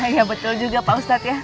iya betul juga pak ustadz ya